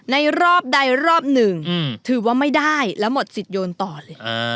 รอบใดรอบหนึ่งถือว่าไม่ได้แล้วหมดสิทธิโยนต่อเลย